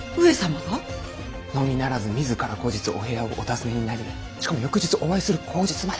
のみならず自ら後日お部屋をお訪ねになりしかも翌日お会いする口実まで。